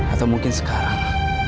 atau mungkin sekarang